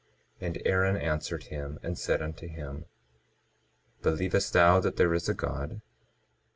22:7 And Aaron answered him and said unto him: Believest thou that there is a God?